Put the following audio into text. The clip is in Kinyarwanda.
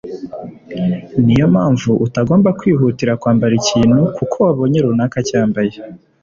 niyo mpamvu utagomba kwihutira kwambara ikintu kuko wabonye runaka acyambaye